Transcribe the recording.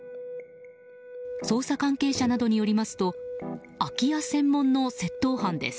捜査関係者などによりますと空き家専門の窃盗犯です。